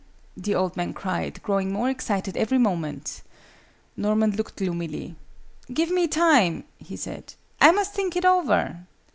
the old man cried, growing more excited every moment. Norman looked gloomy. "Give me time," he said. "I must think it over."